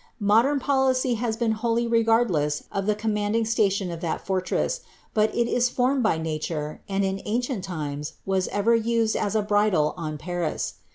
Modern policy has •en wholly regardless of the commanding station of that fortress ; but ii formed by nature, and in ancient times was ever used as a bridle on Ilia.